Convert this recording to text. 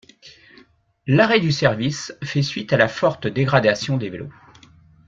L'arrêt du service fait suite à la forte dégradation des vélos.